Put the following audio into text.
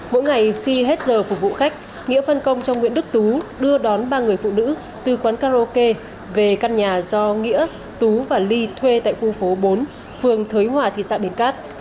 mỗi ngày khi hết giờ phục vụ khách nghĩa phân công cho nguyễn đức tú đưa đón ba người phụ nữ từ quán karaoke về căn nhà do nghĩa tú và ly thuê tại khu phố bốn phường thới hòa thị xã bến cát